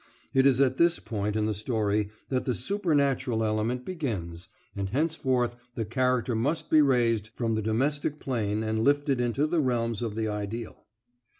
It is at this point in the story that the supernatural element begins, and henceforth the character must be raised from the domestic plane and lifted into the realms of the ideal.